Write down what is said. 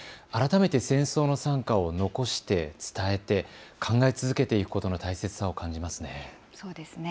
改めて戦争の惨禍を残して伝えて考え続けていくことの大切さを感じますね。